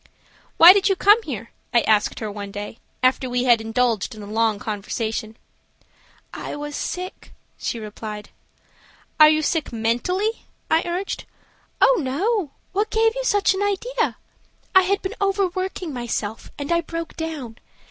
"Why did you come here?" I asked her one day, after we had indulged in a long conversation. "I was sick," she replied. "Are you sick mentally?" I urged. "Oh, no; what gave you such an idea? I had been overworking myself, and I broke down.